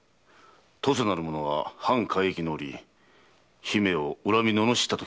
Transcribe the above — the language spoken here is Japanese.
登世なる者は藩改易の折姫を恨み罵ったと聞く。